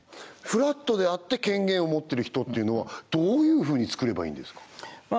フラットであって権限を持ってる人っていうのはどういうふうに作ればいいんですか？